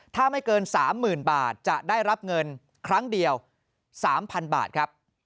ถ้าไม่เกิน๓๐๐๐บาทจะได้รับเงินครั้งเดียว๓๐๐๐บาทครับ